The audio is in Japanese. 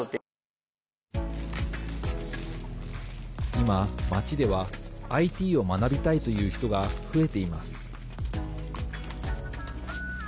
今、町ではＩＴを学びたいという人が増えています。